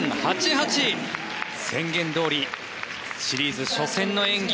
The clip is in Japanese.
宣言どおり、シリーズ初戦の演技